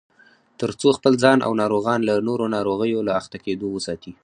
ترڅو خپل ځان او ناروغان له نورو ناروغیو له اخته کېدو وساتي